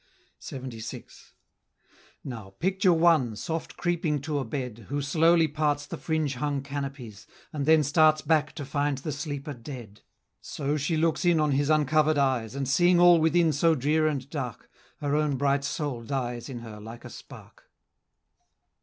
LXXVI. Now, picture one, soft creeping to a bed, Who slowly parts the fringe hung canopies, And then starts back to find the sleeper dead; So she looks in on his uncover'd eyes, And seeing all within so drear and dark, Her own bright soul dies in her like a spark.